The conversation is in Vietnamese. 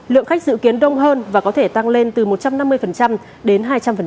lượng khách dự kiến đông hơn và có thể tăng lên từ một trăm năm mươi đến hai trăm linh